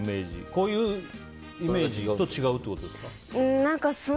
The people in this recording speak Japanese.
こういうイメージと違うってことですか？